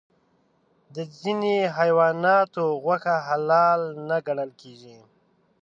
د ځینې حیواناتو غوښه حلال نه ګڼل کېږي.